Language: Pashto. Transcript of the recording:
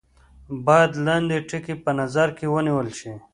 باید لاندې ټکي په نظر کې ونیول شي.